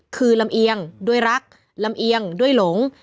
คือลำเอียงด้วยรักลำเอียงด้วยหลง